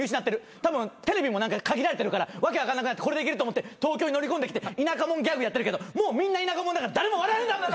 たぶんテレビも限られてるから訳分かんなくなってこれでいけると思って東京に乗り込んできて田舎者ギャグやってるけどもうみんな田舎者だから誰も笑わねえんだ